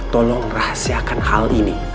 tolong rahasiakan hal ini